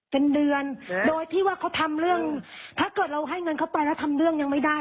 เป็นเดือนโดยที่ว่าเขาทำเรื่องถ้าเกิดเราให้เงินเข้าไปแล้วทำเรื่องยังไม่ได้